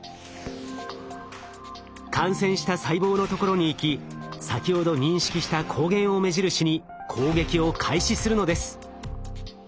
感染した細胞のところに行き先ほど認識した抗原を目印に攻撃を開始するのです。